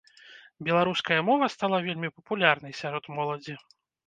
Беларуская мова стала вельмі папулярнай сярод моладзі.